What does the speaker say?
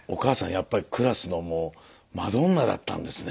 やっぱりクラスのもうマドンナだったんですね。